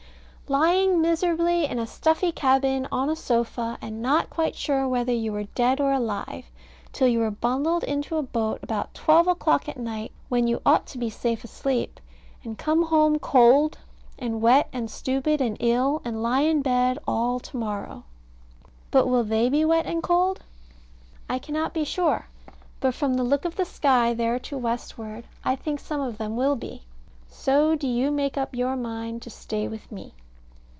Lying miserable in a stuffy cabin, on a sofa, and not quite sure whether you were dead or alive, till you were bundled into a boat about twelve o'clock at night, when you ought to be safe asleep, and come home cold, and wet, and stupid, and ill, and lie in bed all to morrow. But will they be wet and cold? I cannot be sure; but from the look of the sky there to westward, I think some of them will be. So do you make up your mind to stay with me.